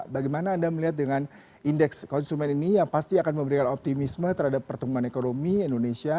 bagaimana anda melihat dengan indeks konsumen ini yang pasti akan memberikan optimisme terhadap pertumbuhan ekonomi indonesia